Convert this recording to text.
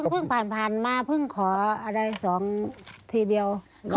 พึ่งผ่านมาพึ่งขออะไร๒ทีเดียว